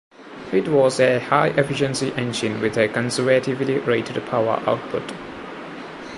It was a "high-efficiency" engine with a conservatively rated power output.